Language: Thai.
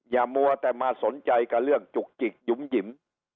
มัวแต่มาสนใจกับเรื่องจุกจิกหยุ่มหยิม